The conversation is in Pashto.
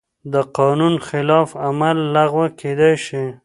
د قانون خلاف عمل لغوه کېدای شي.